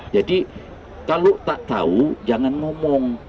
jadi kalau tak tahu jangan ngomong